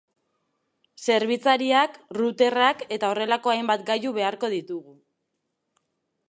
Zerbitzariak, routerrak eta horrelako hainbat gailu beharko ditugu.